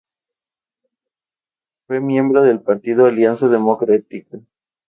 Fue miembro del Partido Alianza Democrática.